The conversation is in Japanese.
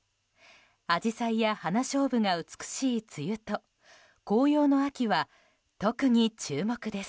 アジサイやハナショウブが美しい梅雨と紅葉の秋は特に注目です。